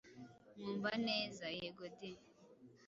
Mwumvaneza: Yego di!